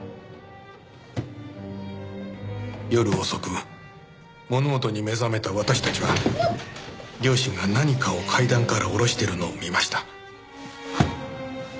夜遅く物音に目覚めた私たちは両親が何かを階段から下ろしているのを見ました。